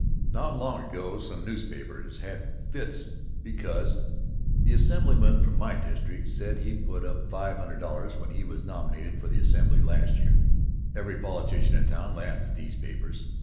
Not long ago some newspapers had fits became the Assemblyman from my district said he had put up $500 when he was nominated for the Assembly last year. Every politician in town laughed at these papers.